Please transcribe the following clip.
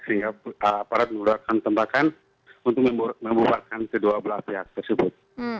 sehingga aparat menggunakan tembakan untuk membubarkan kedua belah pihak tersebut